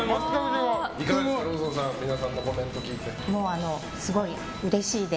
ローソンさん、いかがですかコメント聞いて。